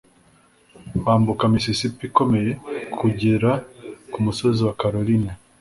Bambuka Mississippi ikomeye kugera kumusozi wa Caroline.